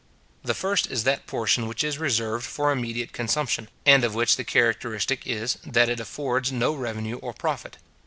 The first is that portion which is reserved for immediate consumption, and of which the characteristic is, that it affords no revenue or profit.